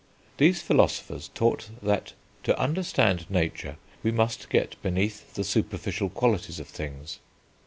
These philosophers taught that to understand nature we must get beneath the superficial qualities of things.